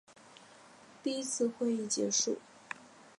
第一次会议结束。